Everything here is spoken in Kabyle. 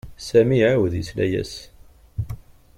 Sami iɛawed yesla-as.